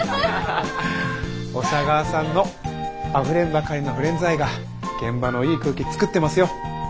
小佐川さんのあふれんばかりのフレンズ愛が現場のいい空気つくってますよ。